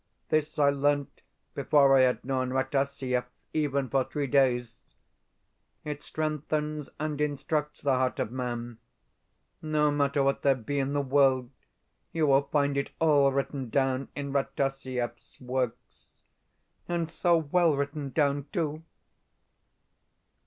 This I learnt before I had known Rataziaev even for three days. It strengthens and instructs the heart of man.... No matter what there be in the world, you will find it all written down in Rataziaev's works. And so well written down, too!